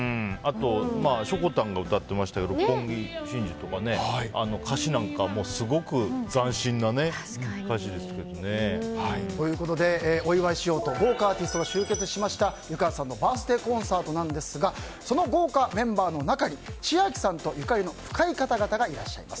しょこたんが歌ってましたけど「六本木心中」とかということでお祝いしようと豪華アーティストが集結した湯川さんのバースデーコンサートですがその豪華メンバーの中に千秋さんとゆかりの深い方々がいらっしゃいます。